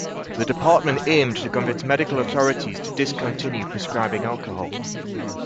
The department aimed to convince medical authorities to discontinue prescribing alcohol.